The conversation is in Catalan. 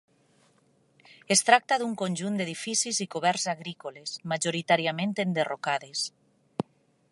Es tracta d'un conjunt d'edificis i coberts agrícoles, majoritàriament enderrocades.